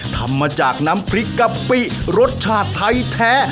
ทำมาจากน้ำพริกกะปิรสชาติไทยแท้